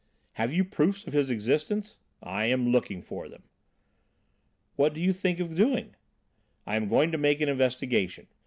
"Have you proofs of his existence?" "I am looking for them." "What do you think of doing?" "I am going to make an investigation.